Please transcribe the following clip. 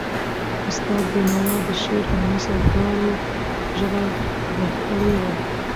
استاد بینوا د شعر او نثر دواړو ژبه زده کړې وه.